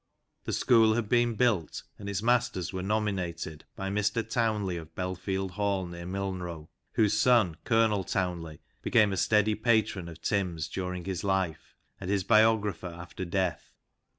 The school had been built, and its masters were nominated, by Mr Townley, of Belfield Hall, near Milnrow, whose son. Colonel Townley, became a steady patron of Tim's during his life, and his biographer after death.